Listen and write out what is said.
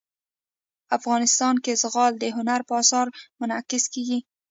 افغانستان کې زغال د هنر په اثار کې منعکس کېږي.